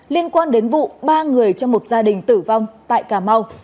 liên quan đến vụ ba người trong một gia đình tử vong tại cà mau